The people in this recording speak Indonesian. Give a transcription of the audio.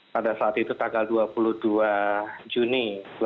pada saat itu tanggal dua puluh dua juni dua ribu dua puluh